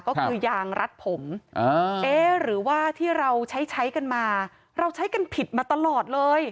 ก็คือยางรัดผมเอ๊ะหรือว่าที่เราใช้ใช้กันมาเราใช้กันผิดมาตลอดเลย